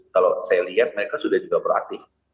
kalau saya lihat mereka sudah juga proaktif